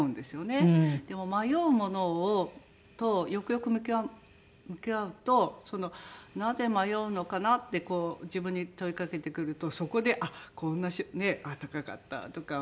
でも迷う物とよくよく向き合うとなぜ迷うのかなってこう自分に問いかけてくるとそこで「こんな高かった」とか「まだ使うかもしれない」